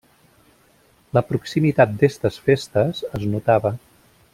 La proximitat d’estes festes es notava.